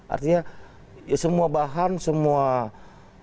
artinya semua bahan semua data sudah diselenggarakan